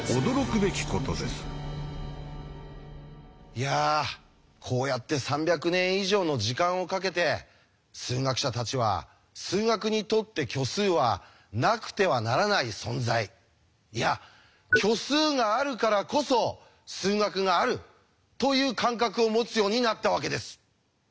いやこうやって３００年以上の時間をかけて数学者たちは数学にとって虚数はなくてはならない存在いやという感覚を持つようになったわけです。